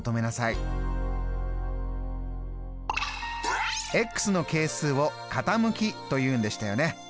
やる！の係数を傾きというんでしたよね。